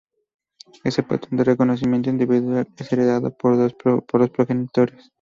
Ese patrón de reconocimiento individual es heredado de los progenitores.